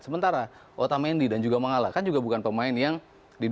sementara otamendi dan juga mangala kan juga bukan pemain yang di dua musim lalu bermain bagus